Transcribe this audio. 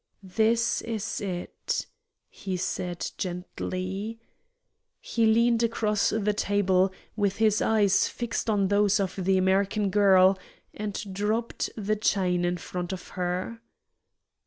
"This is it," he said, gently. He leaned across the table, with his eyes fixed on those of the American girl, and dropped the chain in front of her.